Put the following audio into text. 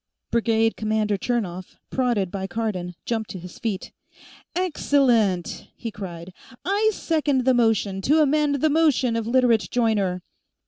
Brigade commander Chernov, prodded by Cardon, jumped to his feet. "Excellent!" he cried. "I second the motion to amend the motion of Literate Joyner."